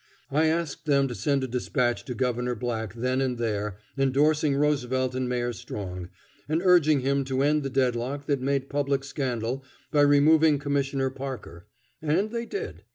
I asked them to send a despatch to Governor Black then and there endorsing Roosevelt and Mayor Strong, and urging him to end the deadlock that made public scandal by removing Commissioner Parker; and they did.